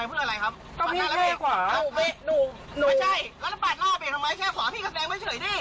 ไม่ใช่รับบัตรหน้าเบ๊กทำไมแช่ขวาพี่กับแสงไม่เฉยดิ